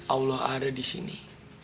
allah ada di sini